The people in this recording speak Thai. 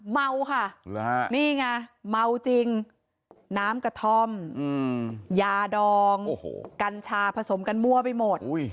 เมาค่ะนี่ไงเมาจริงน้ำกระท่อมยาดองกัญชาผสมกันมั่วไปหมด